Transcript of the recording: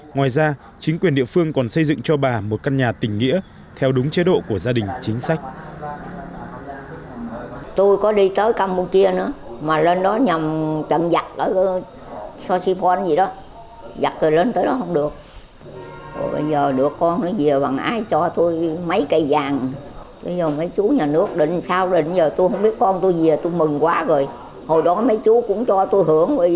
ngoài ra chính quyền địa phương còn xây dựng cho bà một căn nhà tình nghĩa theo đúng chế độ của gia đình chính sách